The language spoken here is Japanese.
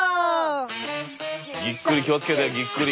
ぎっくり気を付けてぎっくり。